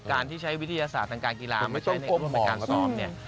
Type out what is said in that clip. การที่ใช้วิทยาศาสตร์ทางการกีฬาไม่ใช่ในเรื่องของการซ้อมเนี่ย